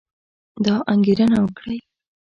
دا انګېرنه وکړئ